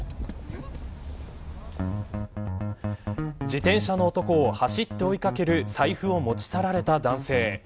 自転車の男を走って追いかける財布を持ち去られた男性。